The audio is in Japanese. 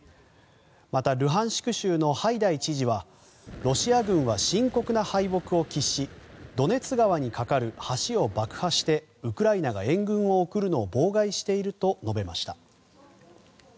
また、ルハンシク州のハイダイ知事はロシア軍は深刻な敗北を喫しドネツ川に架かる橋を爆破してウクライナが援軍を送るのを妨害していると述べました。